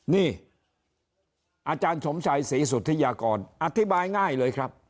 นี่อาจารย์สมชัยศรีสุธิยากรอธิบายง่ายเลยครับ